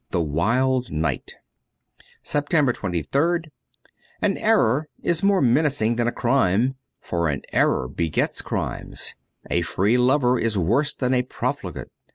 ' The Wild Knight: 295 SEPTEMBER 23rd AN error is more menacing than a crime, for an error begets crimes. ... A free lover is worse than a profligate.